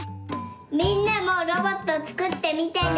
みんなもロボットつくってみてね。